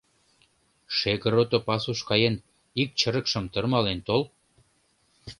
— Шегырото пасуш каен, ик чырыкшым тырмален тол.